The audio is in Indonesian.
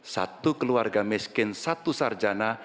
satu keluarga miskin satu sarjana